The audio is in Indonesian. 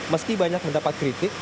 meski banyak mendapat kritik